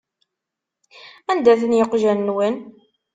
Anda-ten yiqjan-nwen?